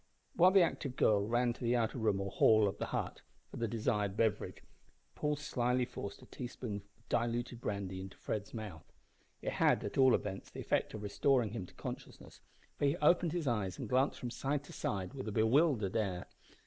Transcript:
While the active girl ran to the outer room or "hall" of the hut for the desired beverage, Paul slily forced a teaspoonful of diluted brandy into Fred's mouth. It had, at all events, the effect of restoring him to consciousness, for he opened his eyes and glanced from side to side with a bewildered air.